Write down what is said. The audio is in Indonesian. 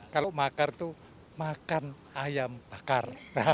kalau makar itu makan ayam bakar